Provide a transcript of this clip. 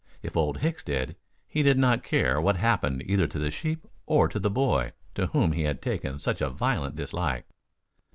If Old Hicks did, he did not care what happened either to the sheep or to the boy to whom he had taken such a violent dislike.